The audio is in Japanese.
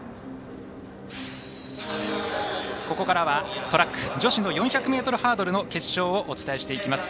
ここからはトラック女子の４００ｍハードルの決勝をお伝えしていきます。